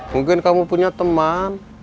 mungkin kamu punya teman